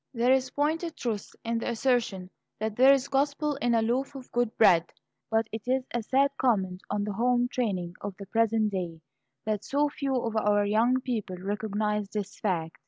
There is pointed truth in the assertion that there is gospel in a loaf of good bread; but it is a sad comment on the home training of the present day that so few of our young people recognize this fact.